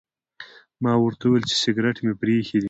ما ورته وویل چې سګرټ مې پرې ایښي دي.